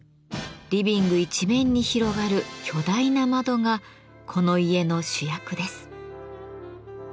リビング一面に広がる巨大な窓がこの家の主役です。